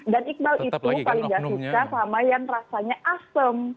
dan iqbal itu paling gak suka sama yang rasanya asem